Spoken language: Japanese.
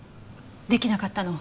できなかったの？